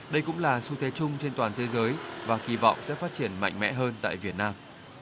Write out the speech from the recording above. đây cũng là xu thế chung trên toàn thế giới và kỳ vọng sẽ phát triển mạnh mẽ hơn tại việt nam